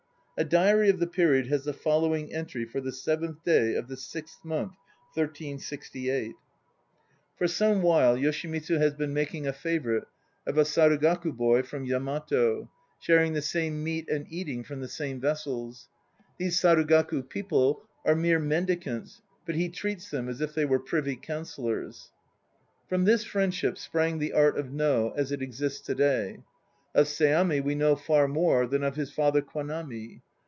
A diary of the period has the following entry for the 7th day of the 6th month, 1368: 1 These dates have only recently been established. Seep. 32. 22 INTRODUCTION For some while Yoshimitsu has been making a favourite of a Sarugaku boy from Yamato, sharing the same meat and eating from the same vessels. These Sarugaku people are mere mendicants, but he treats them as if they were Privy Counsellors. From this friendship sprang the art of No as it exists to day. Of Seami we know far more than of his father Kwanami.